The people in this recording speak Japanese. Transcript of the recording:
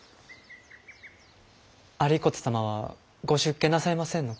有功様はご出家なさいませんのか。